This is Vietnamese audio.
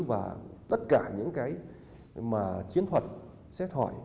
và tất cả những cái mà chiến thuật xét hỏi